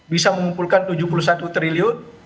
bisa mengumpulkan tujuh puluh satu triliun